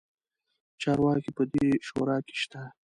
چارواکي په دې شورا کې شته.